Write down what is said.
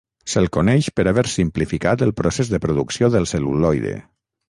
Se'l coneix per haver simplificat el procés de producció del cel·luloide.